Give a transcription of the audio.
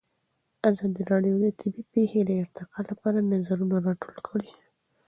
ازادي راډیو د طبیعي پېښې د ارتقا لپاره نظرونه راټول کړي.